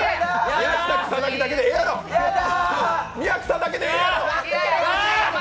宮下草薙だけでええやろ！